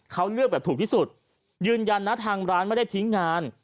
เขาเลือกแบบถูกที่สุดยืนยันนะทางร้านไม่ได้ทิ้งงาน